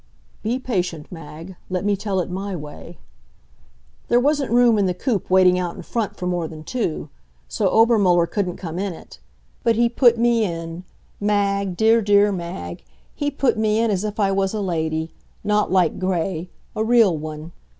"Be patient, Mag; let me tell it my way." There wasn't room in the coupe waiting out in front for more than two. So Obermuller couldn't come in it. But he put me in Mag, dear, dear Mag he put me in as if I was a lady not like Gray; a real one.